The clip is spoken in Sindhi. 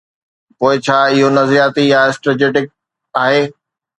پوء ڇا اهو نظرياتي يا اسٽريٽجڪ آهي؟